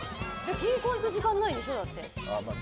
銀行行く時間ないでしょ？